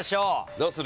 どうする？